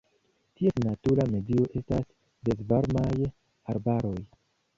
Ties natura medio estas mezvarmaj arbaroj.